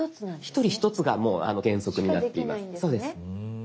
１人１つがもう原則になってます。